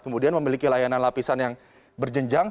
kemudian memiliki layanan lapisan yang berjenjang